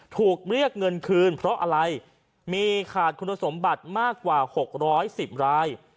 ถูกเรียกเงินคืนเพราะอะไรมีขาดคุณสมบัติมากกว่า๖๑๐ราย